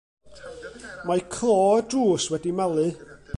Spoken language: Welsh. Mae clo y drws wedi malu.